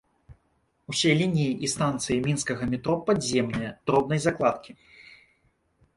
Усе лініі і станцыі мінскага метро падземныя, дробнай закладкі.